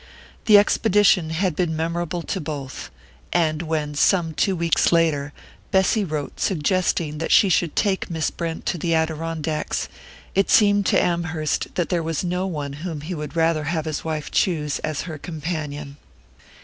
The expedition had been memorable to both; and when, some two weeks later, Bessy wrote suggesting that she should take Miss Brent to the Adirondacks, it seemed to Amherst that there was no one whom he would rather have his wife choose as her companion.